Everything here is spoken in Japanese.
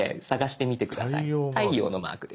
太陽のマークです。